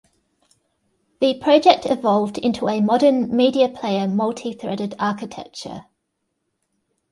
The project evolved into a modern media player multi-threaded architecture.